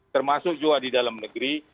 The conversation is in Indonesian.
termasuk juga di dalam negeri